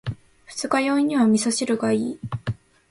二日酔いには味噌汁がいい。